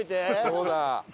そうだ。